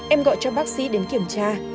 em gọi cho bác sĩ đến kiểm tra